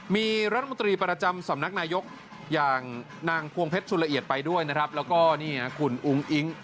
มีรัฐมนตรีประจำสำนักนายกอย่างนางพวงเพชรชุนละเอียดไปด้วยนะครับแล้วก็นี่คุณอุ้งอิ๊ง